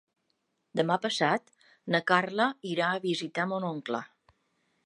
Demà passat na Carla irà a visitar mon oncle.